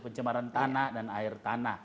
pencemaran tanah dan air tanah